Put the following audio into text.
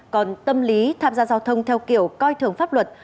còn tâm lý tham gia giao thông theo kiểu coi thường pháp luật